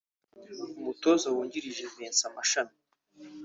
umutoza wungirije Vincent Mashami